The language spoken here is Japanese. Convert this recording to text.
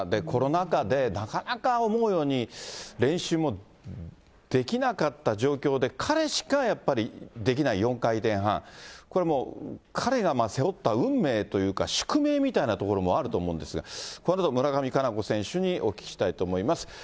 コロナ禍で、なかなか思うように、練習もできなかった状況で、彼しかやっぱりできない４回転半、これはもう、彼が背負った運命というか、宿命みたいなところもあると思うんですが、このあと村上佳菜子選手にお聞きしたいと思います。